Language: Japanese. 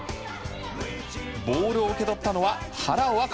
ボールを受け取ったのは原わか花。